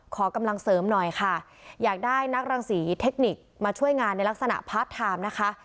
ขอกำลังเสริมหน่อยค่ะอยากได้นักรังศรีเทคนิคมาช่วยงานในลักษณะพาร์ทไทม์นะคะ